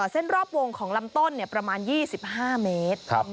เส้นรอบวงของลำต้นประมาณ๒๕เมตร